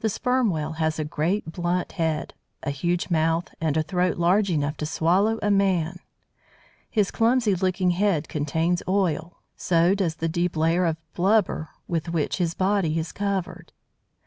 The Sperm Whale has a great, blunt head, a huge mouth, and a throat large enough to swallow a man. His clumsy looking head contains oil, so does the deep layer of blubber with which his body is covered.